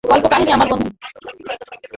কল্পকাহিনী, আমার বন্ধু।